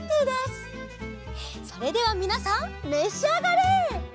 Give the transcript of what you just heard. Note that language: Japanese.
それではみなさんめしあがれ！